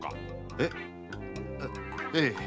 えっ？えええ。